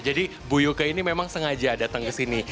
jadi bu yuke ini memang sengaja datang kesini